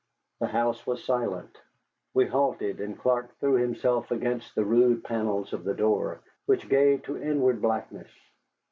The house was silent. We halted, and Clark threw himself against the rude panels of the door, which gave to inward blackness.